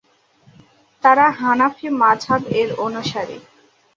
তারা হানাফি মাযহাব এর অনুসারী।